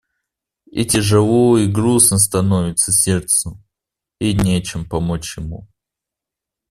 И тяжело и грустно становится сердцу, и нечем помочь ему.